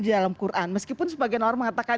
di dalam quran meskipun sebagian orang mengatakan